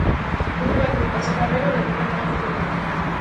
Urte batzuk pasa eta gero, berriro elkartuko dira.